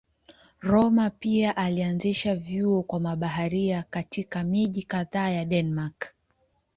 Rømer pia alianzisha vyuo kwa mabaharia katika miji kadhaa ya Denmark.